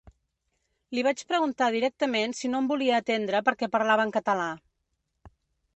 Li vaig preguntar directament si no em volia atendre perquè parlava en català.